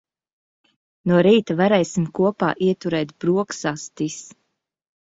No rīta varēsim kopā ieturēt broksastis.